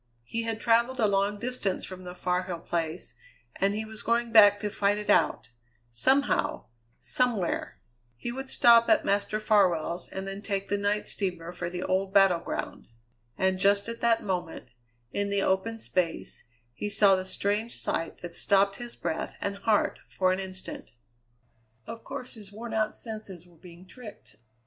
He had travelled a long distance from the Far Hill Place, and he was going back to fight it out somehow, somewhere. He would stop at Master Farwell's and then take the night steamer for the old battle ground. And just at that moment, in the open space, he saw the strange sight that stopped his breath and heart for an instant. Of course his wornout senses were being tricked.